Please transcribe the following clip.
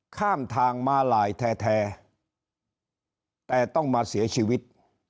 ข้ามทางมาลายแท้แต่ต้องมาเสียชีวิต